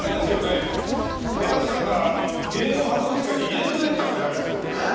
私なんか芸能博物館に入れてくれっつったってダメですよ。